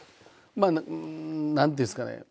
まあ何ていうんですかね